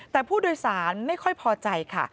แต่ผู้โดยสารไม่ค่อยพอใจค่ะ